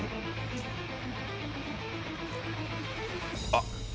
あっ！